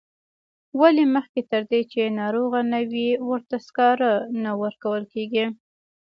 ولې مخکې تر دې چې ناروغه نه وي ورته سکاره نه ورکول کیږي.